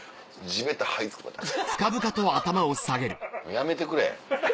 やめてくれ。